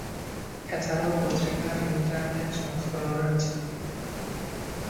এছাড়াও পত্রিকার ইন্টারনেট সংস্করণ রয়েছে।